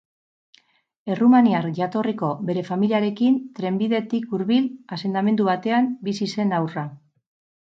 Errumaniar jatorriko bere familiarekin trenbidetik hurbil, asentamendu batean, bizi zen haurra.